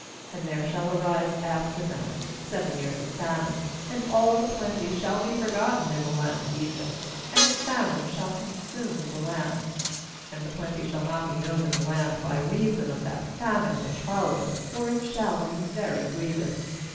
80And there shall arise after them seven years of famine; and all the plenty shall be forgotten in the land of Egypt; and the famine shall consume the land; 31and the plenty shall not be known in the land by reason of that famine which followeth; for it shall be very grievous.